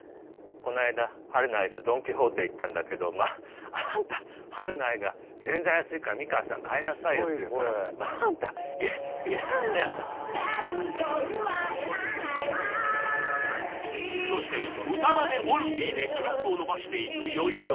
この間はるな愛とドン・キホーテ行ったんだけどまああんたはるな愛が洗剤安いから美川さん買いなさいよって言うからまああんたいらないのよあんた約束は要らないわそして歌まねオンリーで記録を伸ばしていくよよよ